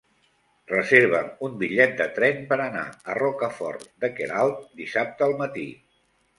Reserva'm un bitllet de tren per anar a Rocafort de Queralt dissabte al matí.